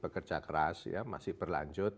bekerja keras ya masih berlanjut